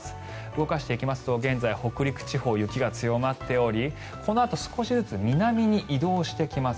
動かしていきますと現在北陸地方、雪が強まっておりこのあと少しずつ南に移動してきます。